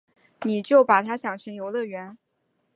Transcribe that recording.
你就把他想成游乐场